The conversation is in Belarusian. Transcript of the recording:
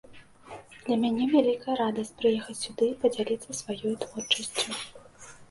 Для мяне вялікая радасць прыехаць сюды і падзяліцца сваёй творчасцю.